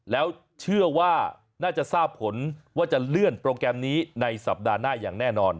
แล้วเชื่อว่าน่าจะทราบผลว่าจะเลื่อนโปรแกรมนี้ในสัปดาห์หน้าอย่างแน่นอน